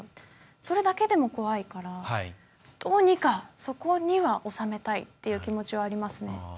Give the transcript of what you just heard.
それだけでも怖いからどうにかそこには収めたいという気持ちはありますね。